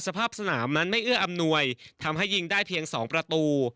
สภาพสนามนั้นไม่เอื้ออำนวยทำให้ยิงได้เพียง๒ประตู